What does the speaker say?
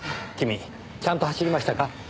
君ちゃんと走りましたか？